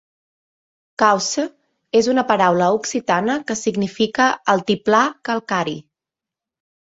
"Causse" és una paraula occitana que significa "altiplà calcari".